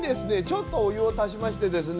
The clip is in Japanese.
ちょっとお湯を足しましてですね